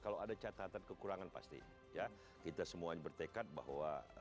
kalau ada catatan kekurangan pasti ya kita semuanya bertekad bahwa